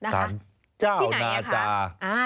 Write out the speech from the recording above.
สารเจ้านาจา